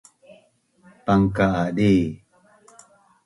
Pangka’ a di